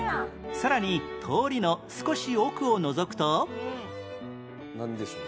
さらに通りの少し奥をのぞくとなんでしょう？